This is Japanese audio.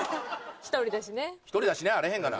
「１人だしね」やあれへんがな。